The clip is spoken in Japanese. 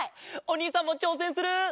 おにいさんもちょうせんする！